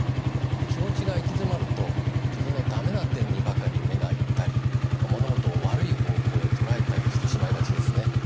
気持ちが行き詰まると自分の駄目な点にばかり目がいったり物事を悪い方向へとらえたりしてしまいがちですね。